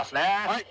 はい。